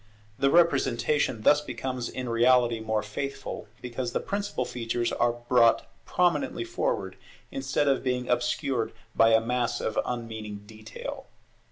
The representation thus becomes in reality more faithful, because the principal features are brought prominently forward, instead of being obscured by a mass of unmeaning detail.